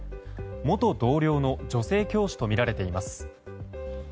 元同僚の女性教師とみられています。